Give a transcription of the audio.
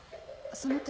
その手。